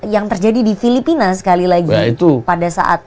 yang terjadi di filipina sekali lagi pada saat